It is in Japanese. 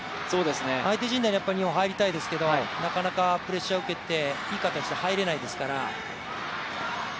相手陣内にも入りたいですけどなかなか、プレッシャーを受けていい形で入れないですから。